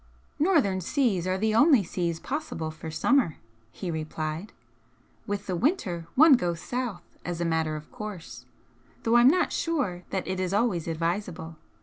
"Northern seas are the only seas possible for summer," he replied "With the winter one goes south, as a matter of course, though I'm not sure that it is always advisable.